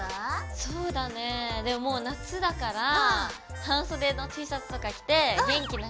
そうだねもう夏だから半袖のＴシャツとか着て元気な感じでつけたいよね。